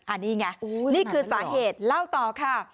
อันนี้ไงนี่คือสาเหตุเล่าต่อค่ะ